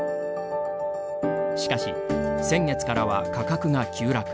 しかし、先月からは価格が急落。